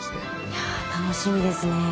いや楽しみですね。